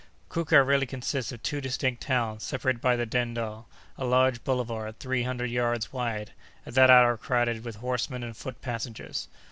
Kouka really consists of two distinct towns, separated by the "Dendal," a large boulevard three hundred yards wide, at that hour crowded with horsemen and foot passengers.